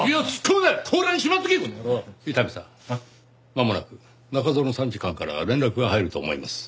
まもなく中園参事官から連絡が入ると思います。